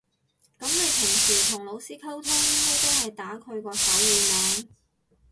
噉你平時同老師溝通應該都係打佢個手語名